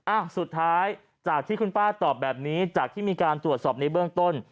อ่ะสุดท้ายจากที่คุณป้าตอบแบบนี้จากที่มีการตรวจสอบในเบื้องต้น